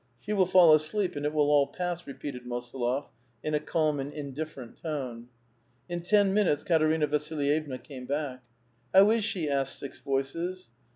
She will fall asleep; and it will all pass," repeated Mosolof, in a calm and indif ferent tone." In ten minutes Katerina Vasllyevna came back. *' How is she?" asked six voices.